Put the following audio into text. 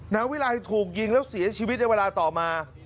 นายวิรัยถูกยิงแล้วเสียชีวิตในเวลาต่อมา